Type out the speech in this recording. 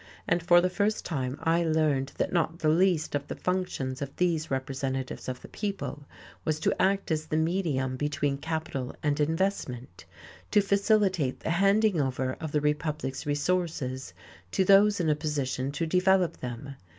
And for the first time I learned that not the least of the functions of these representatives of the people was to act as the medium between capital and investment, to facilitate the handing over of the Republic's resources to those in a position to develop them.